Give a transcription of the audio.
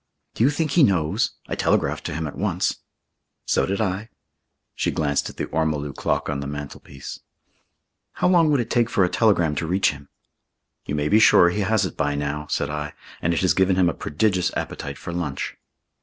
"Do you think he knows? I telegraphed to him at once." "So did I." She glanced at the ormolu clock on the mantelpiece. "How long would it take for a telegram to reach him?" "You may be sure he has it by now," said I, "and it has given him a prodigious appetite for lunch."